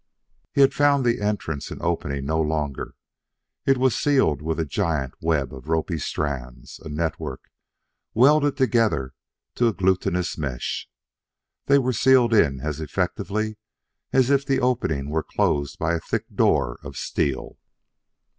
He had found the entrance an opening no longer: it was sealed with a giant web of ropy strands a network, welded together to a glutinous mesh. They were sealed in as effectively as if the opening were closed by a thick door of steel.